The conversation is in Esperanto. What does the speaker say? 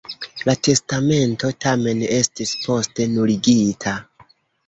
La testamento, tamen, estis poste nuligita.